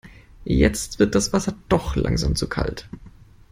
Jetzt wird das Wasser doch langsam zu kalt.